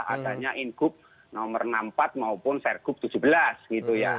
adanya in group nomor enam puluh empat maupun share group tujuh belas gitu ya